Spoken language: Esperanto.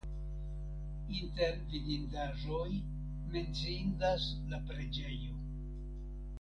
Inter vidindaĵoj menciindas la preĝejo.